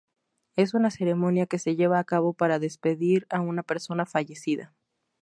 Es una ceremonia que se lleva a cabo para despedir a una persona fallecida.